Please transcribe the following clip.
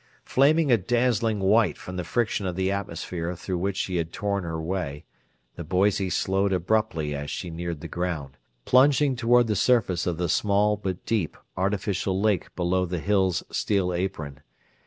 Flaming a dazzling white from the friction of the atmosphere through which she had torn her way, the Boise slowed abruptly as she neared the ground, plunging toward the surface of the small but deep artificial lake below the Hill's steel apron.